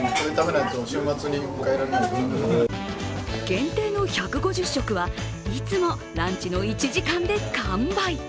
限定の１５０食はいつもランチの１時間で完売。